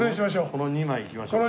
この２枚いきましょうか。